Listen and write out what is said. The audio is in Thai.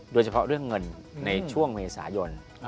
โดยเฉพาะเรื่องเงินในช่วงเมษายน